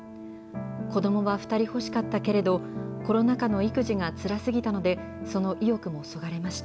子どもは２人欲しかったけれど、コロナ禍の育児がつらすぎたので、その意欲もそがれました。